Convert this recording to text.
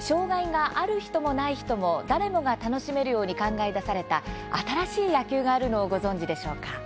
障害がある人もない人も誰もが楽しめるように考え出された新しい野球があるのをご存じでしょうか。